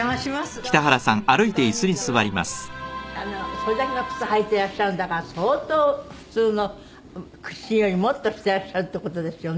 それだけの靴履いてらっしゃるんだから相当普通の屈伸よりもっとしてらっしゃるって事ですよね？